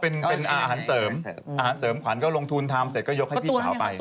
อ๋อเป็นอาหารเสริมขวัญลงทุนทำแล้วก็ยกให้พี่สาวไป